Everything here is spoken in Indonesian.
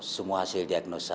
semua hasil diagnosa